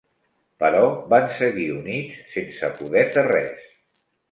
Però van seguir units sense poder fer res.